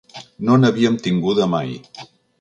No n’havíem tinguda mai.